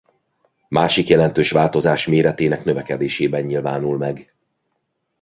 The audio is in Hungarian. Másik jelentős változás méretének növekedésében nyilvánul meg.